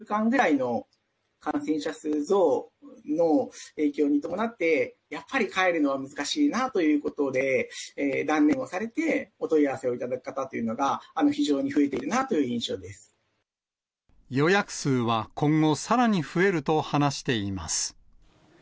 ここ２、３週間ぐらいの感染者数増の影響に伴って、やっぱり帰るのは難しいなということで、断念をされて、お問い合わせをいただく方というのが、非常に増えているなという印象で予約数は今後、さらに増えると話しています。